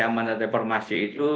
amanat reformasi itu